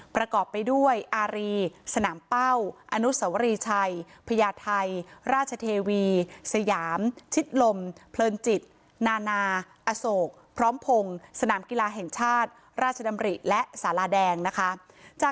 ประกอบไปด้วยอารีสนามเป้าอนุสวรีชัยพญาไทยราชเทวีสยามชิดลมเพลินจิตนานาอโศกพร้อมพงศ์สนามกีฬาแห่งชาติราชดำริและสาราแดงนะคะ